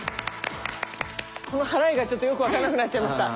この払いがちょっとよく分からなくなっちゃいました。